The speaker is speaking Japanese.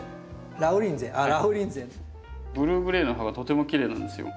ブルーグレーの葉がとてもきれいなんですよ。